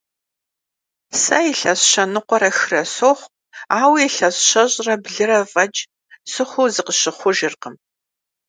Сэ илъэс щэныкъуэрэ хырэ сохъу, ауэ илъэс щэщӏрэ блырэ фӏэкӏ сыхъуу зыкъысщыхъужыркъым.